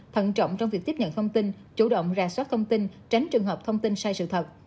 thận trọng trong việc tiếp nhận thông tin chủ động ra soát thông tin tránh trường hợp thông tin sai sự thật